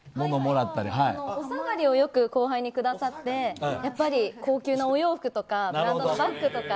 おさがりをよく後輩にくださって高級なお洋服とかブランドのバッグとか。